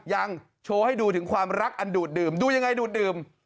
ยังโชว์ให้ดูถึงความรักอันดูดดื่มดูยังไงดูดดื่ม